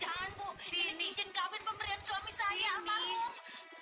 jangan bu ini cincin kawin pemberian suami saya pak um